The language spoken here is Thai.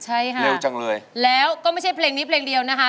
ใช่ค่ะแล้วก็ไม่ใช่เพลงนี้เพลงเดียวนะคะ